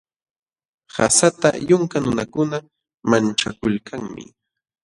Qasata yunka nunakuna manchakulkanmi.